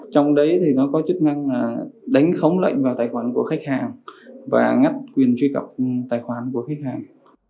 trong đấy thì nó có chức năng đánh khống lệnh vào tài khoản của khách hàng và ngắt quyền truy cập tài khoản của khách hàng